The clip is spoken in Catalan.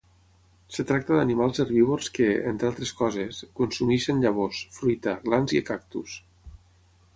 Es tracta d'animals herbívors que, entre altres coses, consumeixen llavors, fruita, glans i cactus.